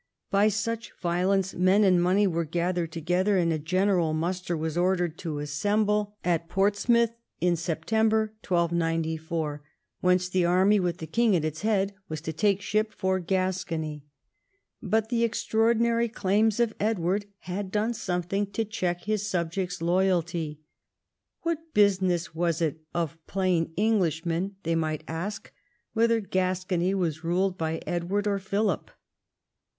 By such violence men and money were gathered to gether, and a general muster was ox'dered to assemble XI THE YEARS OF CRISIS 185 at Portsmouth in September 1294, whence the army, with the king at its head, was to take ship for Gascony. But the extraordinary claims of Edward had done some thing to check his subjects' loyalty. What business was it of plain Englishmen, they might ask, whether Gascony Avas ruled by Edward or Philip